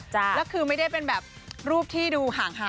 แล้วคือไม่ได้เป็นแบบรูปที่ดูห่าง